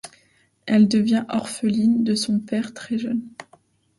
Elle devient orpheline de son père très jeune.